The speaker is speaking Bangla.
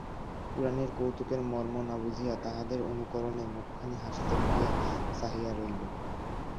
কুড়ানির কৌতুকের মর্ম না বুঝিয়া তাঁহাদের অনুকরণে মুখখানি হাসিতে ভরিয়া চাহিয়া রহিল।